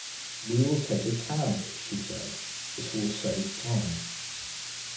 "We will take a cab," she said: "it will save time."